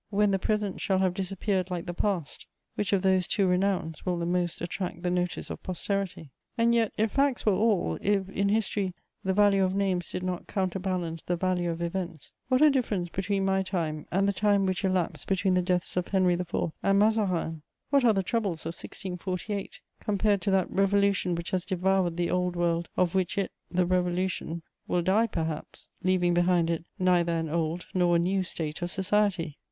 When the present shall have disappeared like the past, which of those two renowns will the most attract the notice of posterity? And yet, if facts were all, if, in history, the value of names did not counterbalance the value of events, what a difference between my time and the time which elapsed between the deaths of Henry IV. and Mazarin! What are the troubles of 1648 compared to that Revolution which has devoured the old world, of which it, the Revolution, will die perhaps, leaving behind it neither an old nor a new state of society?